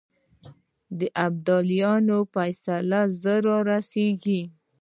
د ابدالي فیصله ژر را ورسېږي.